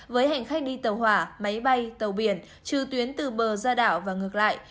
với hành khách đi tàu hỏa máy bay tàu biển trừ tuyến từ bờ ra đảo và ngược lại